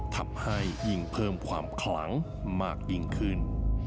ทำให้ยิ่งเพิ่มความขลังมากยิ่งขึ้น